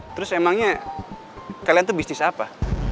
terus emangnya kalian tuh bisnis apa